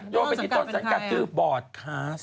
โยนไปที่ต้นสังกัดคือบอร์ดคลาส